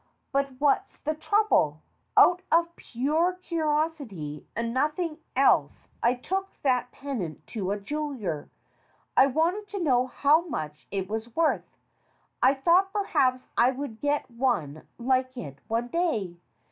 But what's the trouble?" 226 STORIES WITHOUT TEARS "Out of pure curiosity and nothing else I took that pendant to a jeweller. I wanted to know how much it was worth. I thought perhaps I would get one like it one day.